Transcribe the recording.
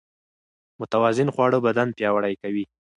متوازن خواړه بدن پياوړی کوي.